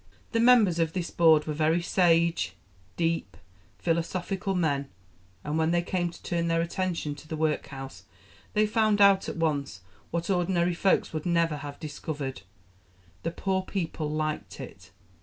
"The members of this board were very sage, deep, philosophical men; and when they came to turn their attention to the workhouse, they found out at once, what ordinary folks would never have discovered the poor people liked it!